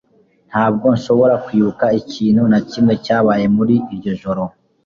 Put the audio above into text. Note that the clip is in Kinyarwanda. Ntabwo nshobora kwibuka ikintu na kimwe cyabaye muri iryo joro